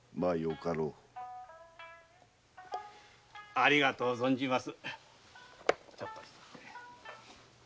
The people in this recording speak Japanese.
ありがとう存じます。